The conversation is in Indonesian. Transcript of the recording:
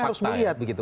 harus melihat begitu